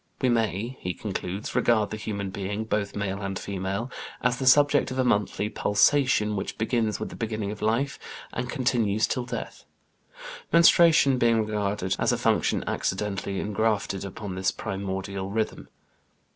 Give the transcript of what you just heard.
"We may," he concludes, "regard the human being both male and female as the subject of a monthly pulsation which begins with the beginning of life, and continues till death," menstruation being regarded as a function accidentally ingrafted upon this primordial rhythm.